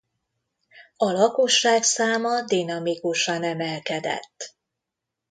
A lakosság száma dinamikusan emelkedett.